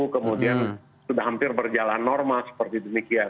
kemudian sudah hampir berjalan normal seperti demikian